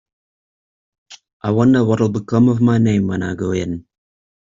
I wonder what’ll become of my name when I go in?